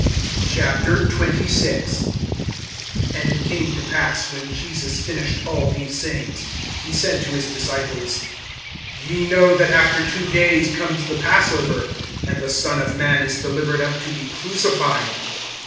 XXVI. AND it came to pass, when Jesus finished all these sayings, he said to his disciples: (2)Ye know that after two days comes the passover, and the Son of man is delivered up to be crucified.